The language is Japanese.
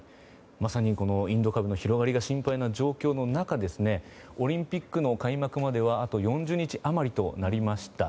まさにインド株の広がりが心配な状況の中オリンピックの開幕まではあと４０日余りとなりました。